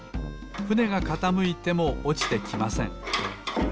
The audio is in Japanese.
ふねがかたむいてもおちてきません。